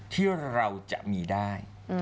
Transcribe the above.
ที่เราจะมีได้